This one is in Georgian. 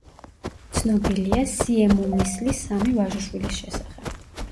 ცნობილია სიემომისლის სამი ვაჟიშვილის შესახებ.